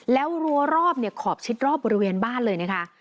แล้วรั้วรอบเนี่ยขอบชิดรอบบริเวณบ้านเลยนะคะ